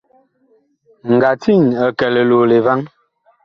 Ngatiŋ ɛg kɛ liloole vaŋ.